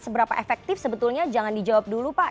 seberapa efektif sebetulnya jangan dijawab dulu pak